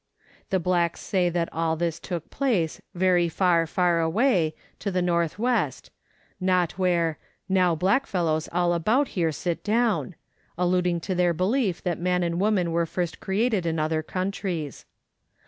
The blacks say that all this took place " very far, far away " to the N.W., not where " now blackfellows all about here sit down," alluding to their belief that man and woman were first created in other countries.